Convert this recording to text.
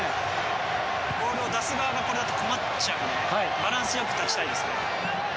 ボールの出す側がこれだと困っちゃうのでバランスよく立ちたいですね。